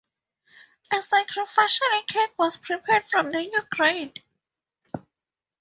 A sacrificial cake was prepared from the new grain.